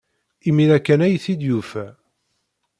Imir-a kan ay t-id-yufa.